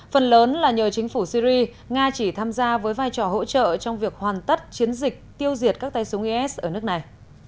phần lớn là nhờ chính phủ syri nga chỉ tham gia với vai trò hỗ trợ trong việc hoàn tất chiến dịch tiêu diệt các tay súng is ở nước này